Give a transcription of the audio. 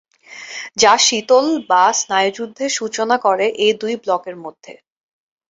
যা শীতল বা স্নায়ুযুদ্ধের সূচনা করে এই দুই ব্লকের মধ্যে।